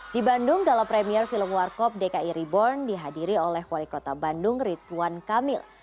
di bandung gala premier film warkop dki reborn dihadiri oleh wali kota bandung ridwan kamil